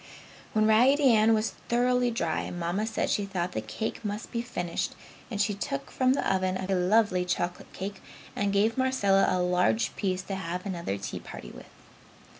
When Raggedy Ann was thoroughly dry, Mamma said she thought the cake must be finished and she took from the oven a lovely chocolate cake and gave Marcella a large piece to have another tea party with.